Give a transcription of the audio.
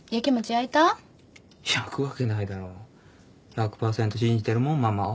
１００％信じてるもんママを。